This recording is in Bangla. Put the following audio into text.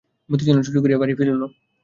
মতি যেন চুরি করিয়া বাড়ি ফিরিল।